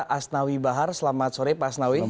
asnawi bahar selamat sore pak asnawi